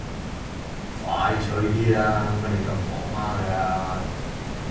快脆啲啦，乜你咁婆媽㗎